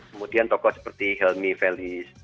kemudian tokoh seperti helmy feli